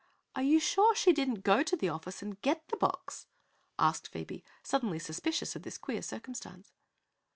"Are you sure she didn't go to the office and get the box?" asked Phoebe, suddenly suspicious of this queer circumstance.